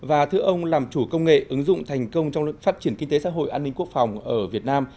và thưa ông làm chủ công nghệ ứng dụng thành công trong phát triển kinh tế xã hội an ninh quốc phòng ở việt nam